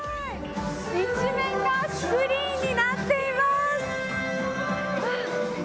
一面がスクリーンになっています。